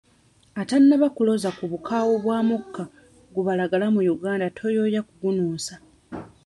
Atannaba kuloza ku bukaawu bwa mukka gubalagala mu Uganda toyoya kugunuusa.